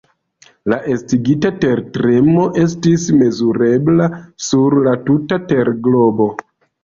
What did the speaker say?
La estigita tertremo estis mezurebla sur la tuta terglobo.